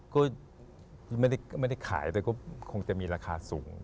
ก็ไม่ได้ขายแต่ก็คงจะมีราคาสูง